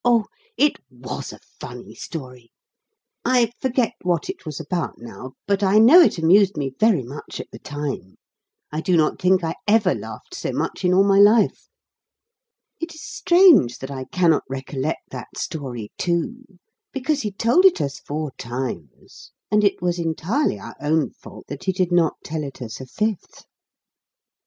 Oh, it WAS a funny story! I forget what it was about now, but I know it amused me very much at the time; I do not think I ever laughed so much in all my life. It is strange that I cannot recollect that story too, because he told it us four times. And it was entirely our own fault that he did not tell it us a fifth.